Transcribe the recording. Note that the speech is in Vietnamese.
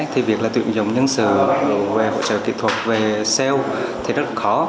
thì việc là tuyển dụng nhân sự về hỗ trợ kỹ thuật về sale thì rất là khó